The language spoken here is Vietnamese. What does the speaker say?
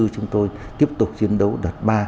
chúng tôi tiếp tục chiến đấu đợt ba